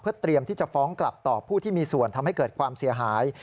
เตรียมที่จะฟ้องกลับต่อผู้ที่มีส่วนทำให้เกิดความเสียหาย